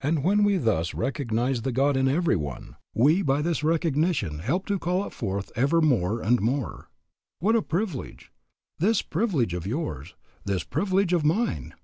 And when we thus recognize the God in every one, we by this recognition help to call it forth ever more and more. What a privilege, this privilege of yours, this privilege of mine!